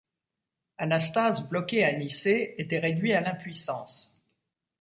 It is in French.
Anastase, bloqué à Nicée, était réduit à l'impuissance.